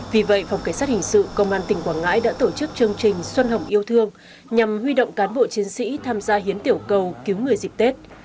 vì vậy phòng cảnh sát hình sự công an tỉnh quảng ngãi đã tổ chức chương trình xuân hồng yêu thương nhằm huy động cán bộ chiến sĩ tham gia hiến tiểu cầu cứu người dịp tết